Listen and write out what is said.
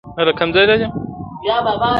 محفل به رنګین نه کي دا سوځلي وزرونه!